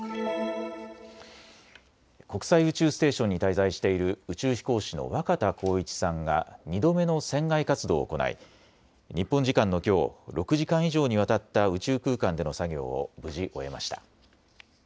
国際宇宙ステーションに滞在している宇宙飛行士の若田光一さんが２度目の船外活動を行い日本時間のきょう６時間以上にわたった宇宙空間での作業を無事、終えました。